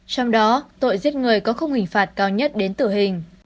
trong đó tội giết người có khung hình phạt cao nhất đến tử hình